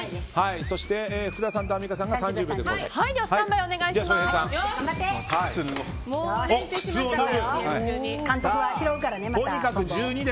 そして福田さん、アンミカさんが３０秒で交代。